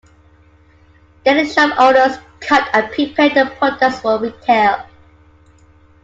There the shop owners cut and prepare the products for retail.